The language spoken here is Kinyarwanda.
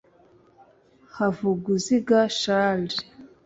Havuguziga Charles